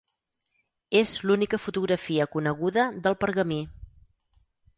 És l'única fotografia coneguda del pergamí.